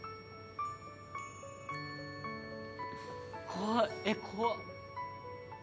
「怖いえっ怖っ」